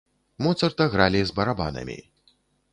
Моцарта гралі з барабанамі.